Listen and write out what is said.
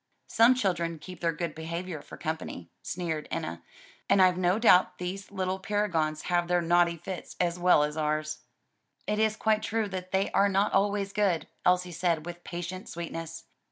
"Some children keep their good behavior for company," sneered Enna, "and I've no doubt these little paragons have their naughty fits as well as ours." "It is quite true that they are not always good," Elsie said with patient sweetness.